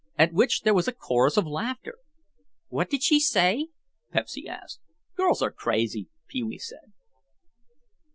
At which there was a chorus of laughter. "What did she say?" Pepsy asked. "Girls are crazy," Pee wee said.